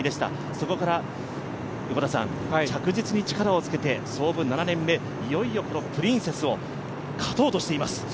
そこから着実に力をつけて、創部７年目、いよいよこのプリンセスを勝とうとしています。